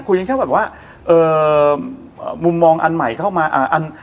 ยังแค่แบบว่าเอ่อมุมมองอันใหม่เข้ามาอ่า